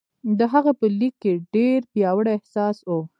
د هغه په لیک کې ډېر پیاوړی احساس و